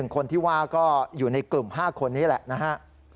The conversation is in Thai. คนที่ว่าก็อยู่ในกลุ่ม๕คนนี้แหละนะฮะ